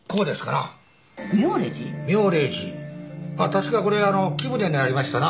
確かこれあの貴船にありましたな。